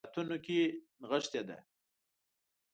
بدعتونو کې نغښې ده.